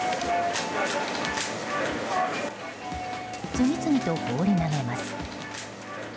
次々と放り投げます。